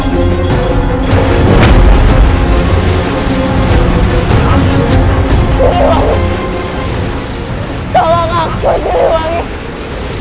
masa tadi rasa asli jugacaster bangunan